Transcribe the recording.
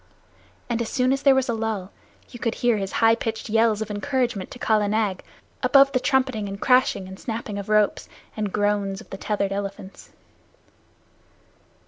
And as soon as there was a lull you could hear his high pitched yells of encouragement to Kala Nag, above the trumpeting and crashing, and snapping of ropes, and groans of the tethered elephants.